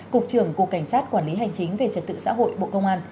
cục trưởng cục cảnh sát quản lý hành chính về trật tự xã hội bộ công an